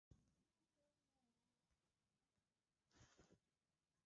Hilo linawaweka karibu na mashambulizi ya karibuni ya anga ya Russia